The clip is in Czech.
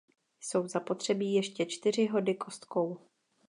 Jsou zapotřebí ještě čtyři hody kostkou.